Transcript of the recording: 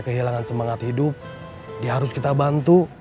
kehilangan semangat hidup ya harus kita bantu